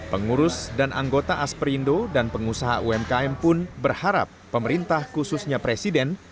pengurus dan anggota asperindo dan pengusaha umkm pun berharap pemerintah khususnya presiden